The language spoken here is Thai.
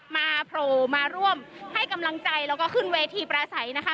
โผล่มาร่วมให้กำลังใจแล้วก็ขึ้นเวทีประสัยนะคะ